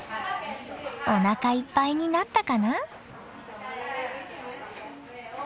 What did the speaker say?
おなかいっぱいになったかな？